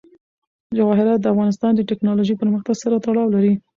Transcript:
جواهرات د افغانستان د تکنالوژۍ پرمختګ سره تړاو لري.